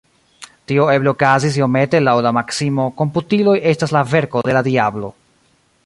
Tio eble okazis iomete laŭ la maksimo “komputiloj estas la verko de la diablo.